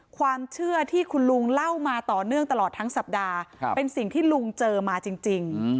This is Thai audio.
ความเชื่อที่คุณลุงเล่ามาต่อเนื่องตลอดทั้งสัปดาห์เป็นสิ่งที่ลุงเจอมาจริง